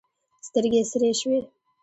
سترګې یې سرې شوې.